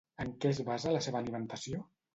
En què es basa la seva alimentació?